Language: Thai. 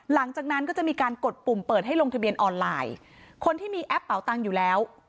หลังจากนั้นก็จะมีการกดปุ่มเปิดให้ลงทะเบียนออนไลน์คนที่มีแอปเป่าตังค์อยู่แล้ว